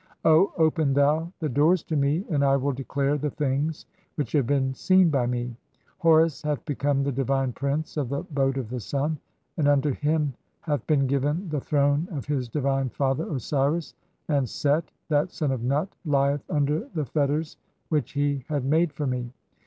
O open [thou] the doors to me "and I will declare the things which have been (5) seen by me. "Horus hath become the divine prince of the Boat of the Sun, "and unto him hath been given the throne of his divine father "Osiris, and (6) Set, that son of Nut, [lieth] under the fetters "which he had made for me.